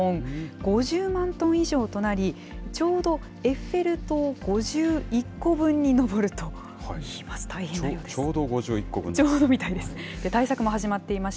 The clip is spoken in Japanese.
５０万トン以上となり、ちょうどエッフェル塔５１個分に上るといいます。